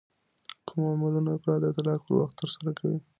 کوم عملونه افراد د طلاق پر وخت ترسره کوي؟